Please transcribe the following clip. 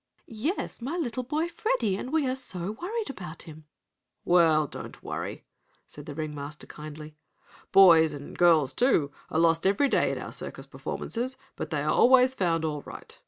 "Yes, my little boy Freddie, and we are so worried about him!" "Well, don't worry," said the ring master kindly. "Boys, and girls too, are lost every day at our circus performances, but they are always found all right.